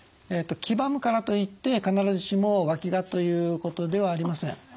黄ばむからといって必ずしもわきがということではありません。